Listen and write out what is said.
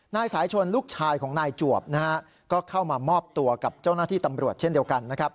นายสายชนลูกชายของนายจวบนะฮะก็เข้ามามอบตัวกับเจ้าหน้าที่ตำรวจเช่นเดียวกันนะครับ